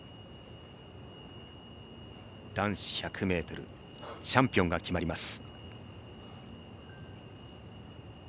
男子１００ｍチャンピオンが決まります。